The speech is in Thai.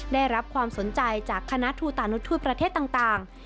ได้รับความสนใจจากคณะทูตานุทูตประเทศต่าง